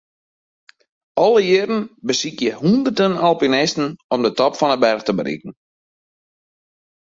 Alle jierren besykje hûnderten alpinisten om de top fan 'e berch te berikken.